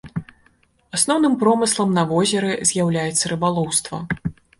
Асноўным промыслам на возеры з'яўляецца рыбалоўства.